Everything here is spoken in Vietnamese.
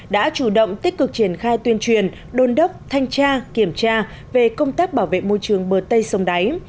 đã chủ động tích cực triển khai tuyên truyền đôn đốc thanh tra kiểm tra về công tác bảo vệ môi trường bờ tây sông đáy